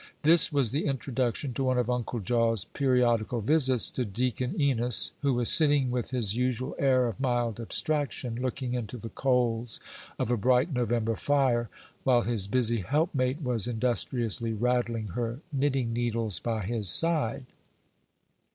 This was the introduction to one of Uncle Jaw's periodical visits to Deacon Enos, who was sitting with his usual air of mild abstraction, looking into the coals of a bright November fire, while his busy helpmate was industriously rattling her knitting needles by his side.